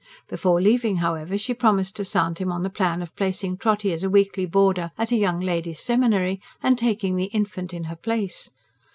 Before leaving, however, she promised to sound him on the plan of placing Trotty as a weekly boarder at a Young Ladies' Seminary, and taking the infant in her place.